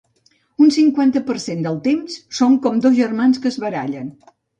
Un cinquanta per cent del temps som com dos germans que es barallen.